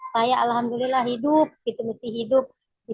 saya alhamdulillah hidup gitu mesti hidup